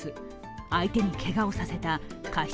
相手にけがをさせた過失